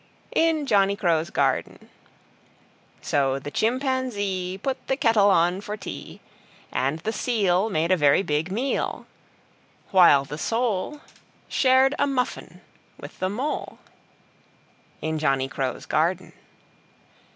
In Johnny Crow's Garden. So the Chimpanzee Put the Kettle on for Tea; And the Seal Made a very big Meal; While the Sole Shared a Muffin with the Mole In Johnny Crow's Garden.